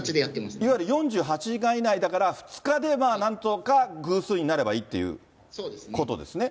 いわゆる４８時間以内だから、２日かでなんとか偶数になればいいっていうことですね。